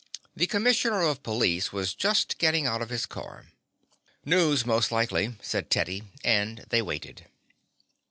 The commissioner of police was just getting out of his car. "News, most likely," said Teddy, and they waited.